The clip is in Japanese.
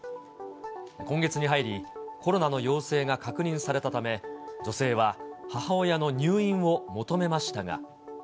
今月に入り、コロナの陽性が確認されたため、女性は母親の入院を求めましたが。